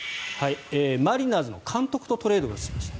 マリナーズの監督とトレードをしています。